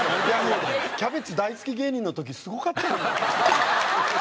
キャベツ大好き芸人の時すごかったんだから。